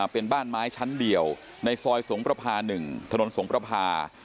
เป็นบ้านไม้ชั้นเดียวในซอยสงประพา๑ถนนสงประพา